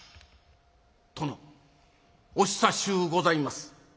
「殿お久しゅうございます。